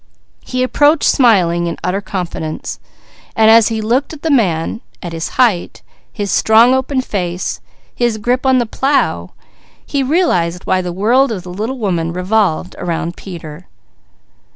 He approached smiling in utter confidence. As he looked at the man, at his height, his strong open face, his grip on the plow, he realized why the world of the little woman revolved around Peter.